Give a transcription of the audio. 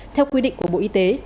theo quy định của bộ y tế